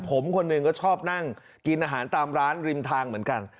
ผมคนหนึ่งก็ชอบนั่งกินอาหารตามร้านริมทางเหมือนกัน